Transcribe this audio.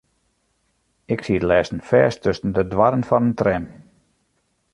Ik siet lêsten fêst tusken de doarren fan in tram.